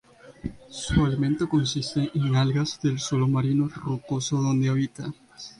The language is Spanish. Su alimento consiste en algas del suelo marino rocoso donde habita.